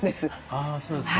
あそうですか。